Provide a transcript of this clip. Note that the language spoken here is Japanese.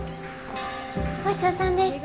ごちそうさんでした。